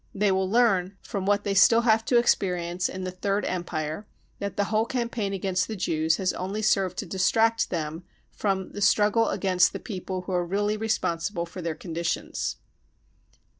They will # 278 BROWN BOOK OF THE HITLER TERROR learn from what they have still to experience in the " Third Empire 95 that the whole campaign against the Jews has only served to distract them from the struggle against the people who are really responsible for their conditions.